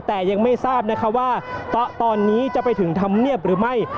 แต่ยังไม่ทราบนะคะว่าตอนนี้จะไปถึงธรรมเนียบหรือไม่